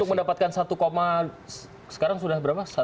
untuk mendapatkan satu sekarang sudah berapa